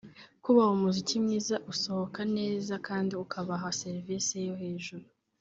kubaha umuziki mwiza usohoka neza kandi ukabaha serivisi yo hejuru